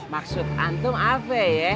maksud antum apa ya